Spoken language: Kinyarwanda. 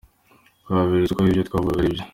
Twaberetse ko ibyo twavugaga ari byo.